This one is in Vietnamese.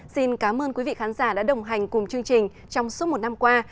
xin cảm ơn quý vị khán giả đã đồng hành cùng chương trình trong suốt một năm qua